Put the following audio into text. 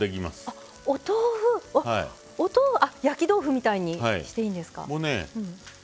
あっ焼き豆腐みたいにしていいんですか。